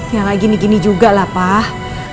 yang lagi ini gini gini juga lah pak